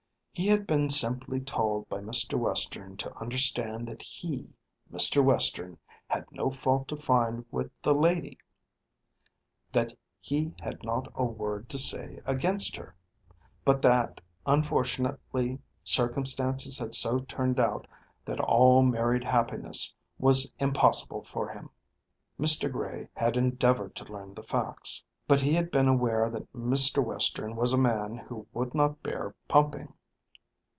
He had been simply told by Mr. Western to understand that he, Mr. Western, had no fault to find with the lady; that he had not a word to say against her; but that unfortunately circumstances had so turned out that all married happiness was impossible for him. Mr. Gray had endeavoured to learn the facts; but he had been aware that Mr. Western was a man who would not bear pumping.